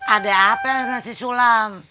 ada apa dengan si sulam